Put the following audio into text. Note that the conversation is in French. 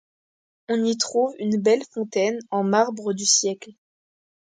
On y trouve une belle fontaine en marbre du siècle.